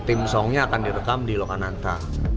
tim songnya akan direkam di lokananta